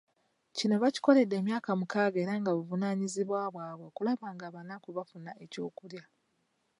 Kino bakikoledde emyaka mukaaga era nga buvunaanyizibwa bwabwe okulaba ng’abanaku bafune ekyokulya .